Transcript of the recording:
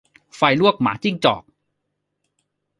ไฟลวกหมาจิ้งจอก